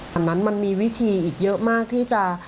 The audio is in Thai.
อันนั้นมันมีวิธีอีกเยอะมากที่จะ